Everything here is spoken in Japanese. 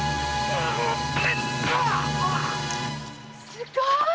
すごい！